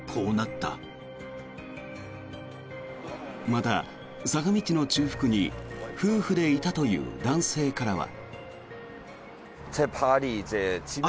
また、坂道の中腹に夫婦でいたという男性からは。